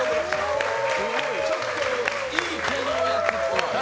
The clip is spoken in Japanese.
ちょっと、いい毛のやつね。